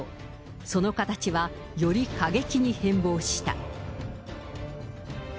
その形はより過激に変貌した。